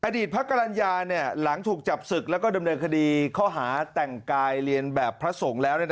อดีตพระกรรณญาหลังถูกจับศึกแล้วก็ดำเนินคดีข้อหาแต่งกายเรียนแบบพระสงฆ์แล้ว